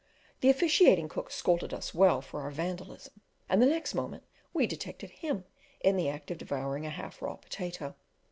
The officiating cook scolded us well for our Vandalism, and the next moment we detected him in the act of devouring a half raw potato.